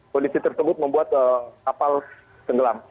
kondisi tersebut membuat kapal tenggelam